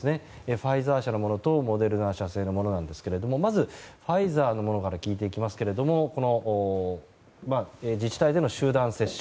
ファイザー社のものとモデルナ社製のものですがまずファイザーのものから聞いていきますが自治体での集団接種。